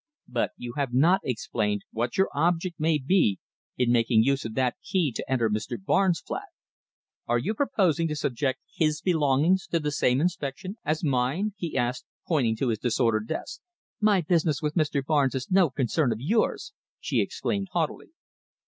But you have not explained what your object may be in making use of that key to enter Mr. Barnes' flat. Are you proposing to subject his belongings to the same inspection as mine?" he asked, pointing to his disordered desk. "My business with Mr. Barnes is no concern of yours!" she exclaimed haughtily.